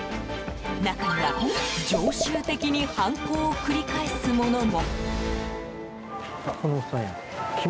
中には常習的に犯行を繰り返す者も。